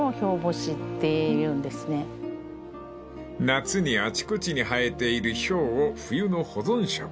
［夏にあちこちに生えているヒョウを冬の保存食に］